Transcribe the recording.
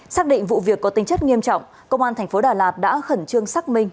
xác định vụ việc có tính chất nghiêm trọng công an thành phố đà lạt đã khẩn trương xác minh